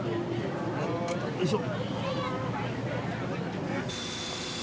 よいしょ。